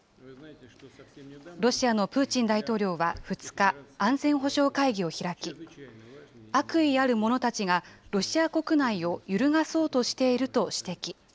ロシアのプーチン大統領は２日、安全保障会議を開き、悪意ある者たちが、ロシア国内を揺るがそうとしていると指摘。